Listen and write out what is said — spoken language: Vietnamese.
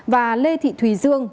và lê thị thùy dương